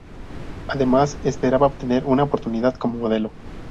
Además, esperaba obtener una oportunidad como modelo.